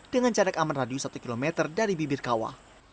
dengan jarak aman radio satu km dari bibirkawah